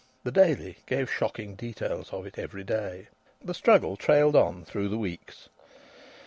The Daily gave shocking details of it every day. The struggle trailed on through the weeks.